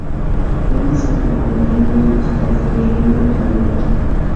ولی څه قرآن وهلی یی چی داسی ژر یی تاییدوی